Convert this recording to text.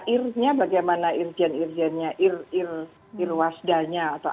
ir nya bagaimana ir gen ir wasdanya